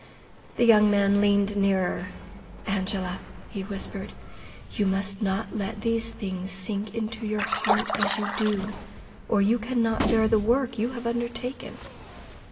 The young man leaned nearer. "Angela," he whispered. "You must not let these things sink into your heart as you do, or you cannot bear the work you have undertaken.